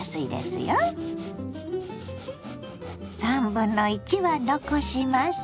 ３分の１は残します。